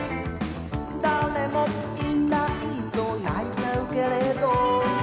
「だれもいないとないちゃうけれど」